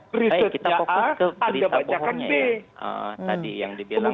berita a anda bacakan b